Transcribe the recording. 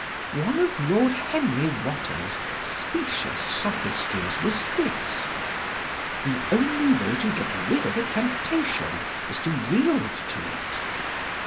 One of Lord Henry Wotton's specious sophistries was this: "The only way to get rid of a temptation is to yield to it."